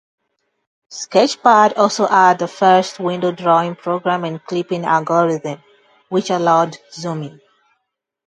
Sketchpad also had the first window-drawing program and clipping algorithm, which allowed zooming.